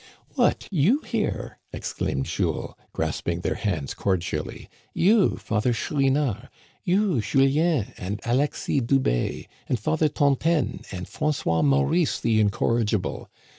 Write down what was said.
" What, you here !" exclaimed Jules, grasping their hands cordially ;" you, Father Chouinard ! you, Julien ! and Alexis Dubé, and Father Tontaine, and François Maurice, the incorrigible